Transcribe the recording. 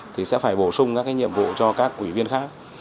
thì sẽ phải bổ sung các cái nhiệm vụ cho các ủy viên khác